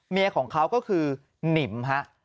เมียของเขาก็คือหนิมฮะ